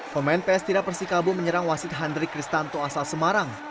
pemain ps tira persikabo menyerang wasid handrik ristanto asal semarang